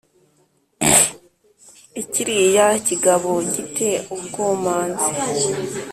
ikiriya kigabo gite ubwomanzi